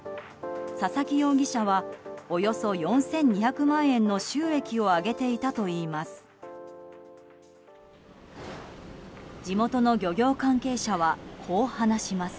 佐々木容疑者はおよそ４２００万円の収益を上げていたといいます。